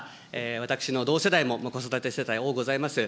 私の同世代も、子育て世帯、おおございます。